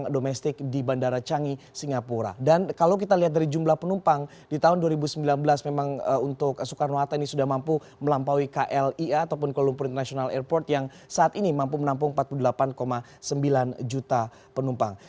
domestik di bandara canggih singapura dan kalau kita lihat dari jumlah penumpang di tahun dua ribu sembilan belas memang untuk soekarno hatta ini sudah mampu melampaui klia ataupun kuala lumpur international airport yang saat ini mampu menampung empat puluh delapan sembilan juta penumpang